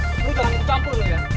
nih lu jangan kecampur ya